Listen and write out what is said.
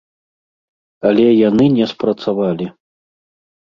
Але яны не спрацавалі.